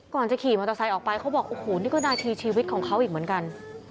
ก่อนจะขี่มอเตอร์ไซค์ออกไปเขาบอกโอ้โหนี่ก็นาทีชีวิตของเขาอีกเหมือนกัน